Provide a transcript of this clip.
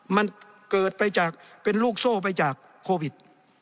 มันเกิดไปจากเป็นลูกโซ่ไปจากโควิด